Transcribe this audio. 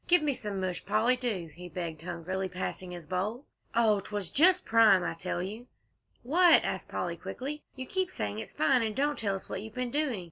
"Give me some mush, Polly, do!" he begged hungrily, passing his bowl. "Oh, 'twas just prime, I tell you!" "What?" asked Polly, quickly. "You keep saying it's fine, and don't tell us what you've been doing.